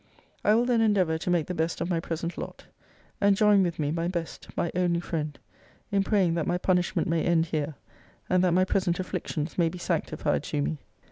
I will then endeavour to make the best of my present lot. And join with me, my best, my only friend, in praying, that my punishment may end here; and that my present afflictions may be sanctified to me.